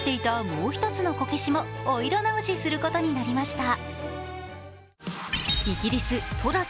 もう１つのこけしもお色直しすることになりました。